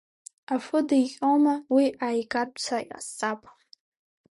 Афы диҟьома, уи ааигартә са иҟасҵап.